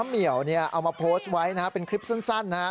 เหี่ยวเอามาโพสต์ไว้นะครับเป็นคลิปสั้นนะฮะ